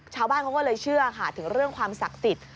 ชาวบ้านเขาก็เลยเชื่อค่ะถึงเรื่องความศักดิ์สิทธิ์